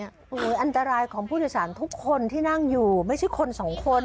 หรืออันตรายของผู้โดยสารทุกคนที่นั่งอยู่ไม่ใช่คนสองคน